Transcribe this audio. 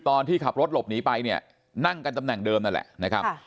ตอนที่ขับรถหลบหนีไปเนี่ยนั่งกันตำแหน่งเดิมนั่นแหละนะครับ